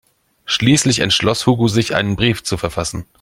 Schließlich entschloss Hugo sich, einen Brief zu verfassen.